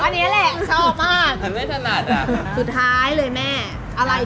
๑นาทีเดียวอ่ะไม่ถึงด้วย